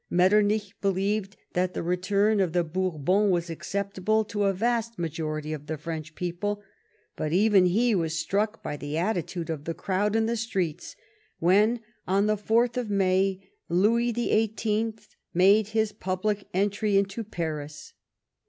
Metternich believed that the return of the Bourbons was acceptable to a vast majority of the French people, but even he was struck by the attitude of the crowd in the streets when, on the 4th of May, Louis XVIII. made his public entry into Paris.